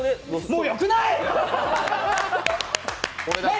もうよくない？